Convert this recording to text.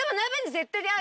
絶対合う！